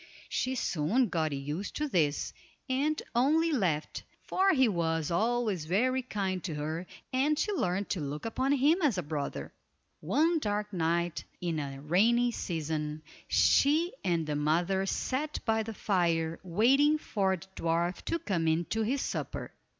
She soon got used to this, and only laughed, for he was always very kind to her, and she learned to look upon him as a brother. One dark night in the rainy season she and the mother sat by the fire waiting for the dwarf to come in to his supper.